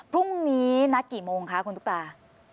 พรุ่งนี้นัดกี่โมงคะคุณตุ๊กตา